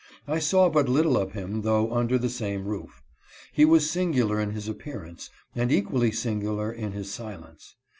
I saw but little of him though under the same roof. He was singular in his appearance, and equally singular in his silence.